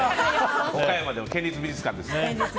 岡山の県立美術館ですね。